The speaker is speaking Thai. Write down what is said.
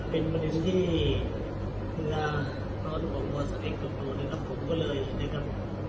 เป็นบรรยาที่เมื่อตอนกะโหดไม่เจอบู่ครับผมก็เลยนะครับ